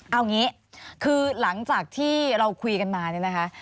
เอางี้คือหลังจากที่เราคุยกันมาเนี่ยนะคะ